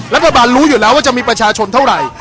รัฐบาลรู้อยู่แล้วว่าจะมีประชาชนเท่าไหร่